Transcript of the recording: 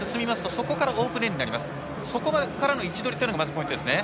そこからの位置取りがまずポイントですね。